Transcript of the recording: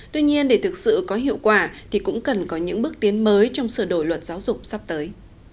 tuy nhiên để thực sự có hiệu quả thì cũng cần có những bước tiến mới trong sửa đổi luật giáo dục sắp tới